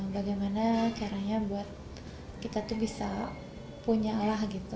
bagaimana caranya buat kita tuh bisa punya lah gitu